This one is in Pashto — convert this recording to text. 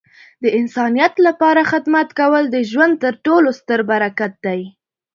د انسانیت لپاره خدمت کول د ژوند تر ټولو ستره برکت دی.